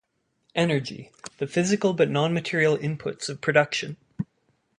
Energy- The physical but non-material inputs of production.